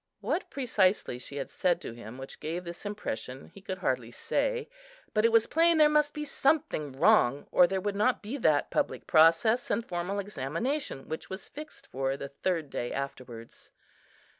What precisely she had said to him, which gave this impression, he could hardly say; but it was plain there must be something wrong, or there would not be that public process and formal examination which was fixed for the third day afterwards.